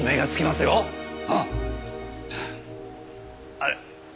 あれ？